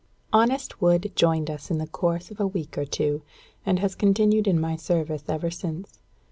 Honest Wood joined us in the course of a week or two, and has continued in my service ever since.